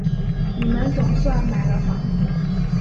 你们总算买了房子